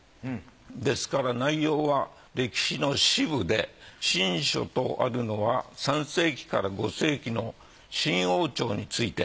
ですから内容は歴史の史部で「晋書」とあるのは３世紀から５世紀の晋王朝について。